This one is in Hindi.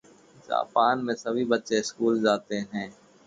जापान में सभी बच्चें स्कूल जाते हैं।